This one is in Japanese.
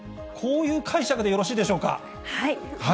こういう解釈でよろしいでしょうか。